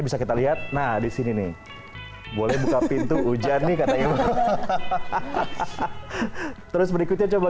bisa kita lihat nah disini nih boleh buka pintu hujan nih katanya hahaha terus berikutnya coba